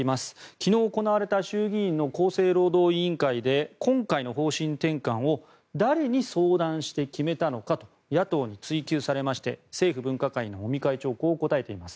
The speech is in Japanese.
昨日行われた衆議院の厚生労働委員会で今回の方針転換を誰に相談して決めたのかと野党に追及されまして政府分科会の尾身会長はこう答えています。